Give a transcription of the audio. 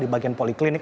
di bagian poliklinik